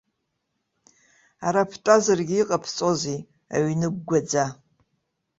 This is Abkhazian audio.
Ара бтәазаргьы иҟабҵозеи, аҩны гәгәаӡа.